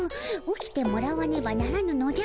起きてもらわねばならぬのじゃ。